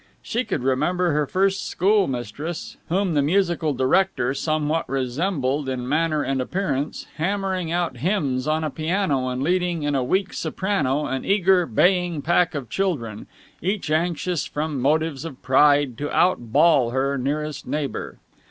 She could remember her first schoolmistress, whom the musical director somewhat resembled in manner and appearance, hammering out hymns on a piano and leading in a weak soprano an eager, baying pack of children, each anxious from motives of pride to out bawl her nearest neighbour.